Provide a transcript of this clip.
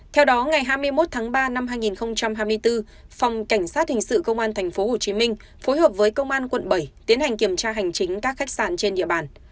theo đó ngày hai mươi một tháng ba năm hai nghìn hai mươi bốn phòng cảnh sát hình sự công an tp hcm phối hợp với công an quận bảy tiến hành kiểm tra hành chính các khách sạn trên địa bàn